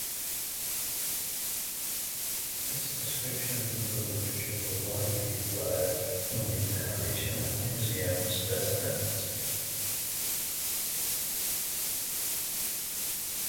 Its descriptions in the literature were largely derived from the examination of museum specimens.